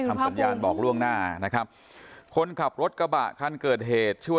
ทำสัญญาณบอกล่วงหน้านะครับคนขับรถกระบะคันเกิดเหตุชื่อ